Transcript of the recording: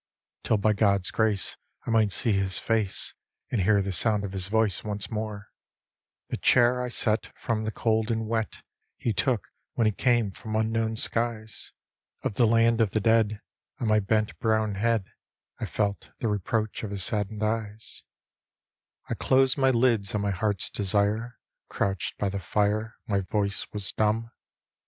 Till by God's grace I might see his face and hear the sound of his voice once more; The chair I set from the cold and wet, he took when he came from unknown skies Of the land of the dead, on my bent brown head I felt the reproach of hb saddened eyes; 1 closed my lids on my heart's desire, crouched by the fire, my voice was dumb.